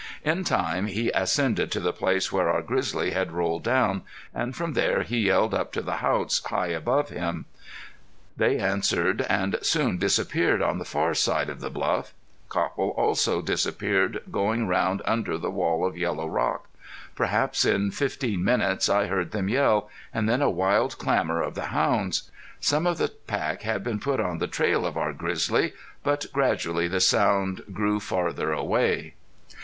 In time he ascended to the place where our grizzly had rolled down, and from there he yelled up to the Haughts, high above him. They answered, and soon disappeared on the far side of the bluff. Copple also disappeared going round under the wall of yellow rock. Perhaps in fifteen minutes I heard them yell, and then a wild clamor of the hounds. Some of the pack had been put on the trail of our grizzly; but gradually the sound grew farther away.